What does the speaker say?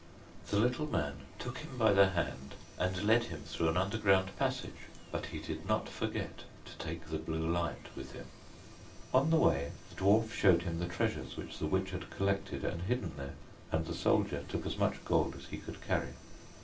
The little man took him by the hand, and led him through an underground passage, but he did not forget to take the blue light with him. On the way the dwarf showed him the treasures which the witch had collected and hidden there, and the soldier took as much gold as he could carry.